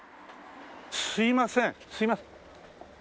すいませんすいません。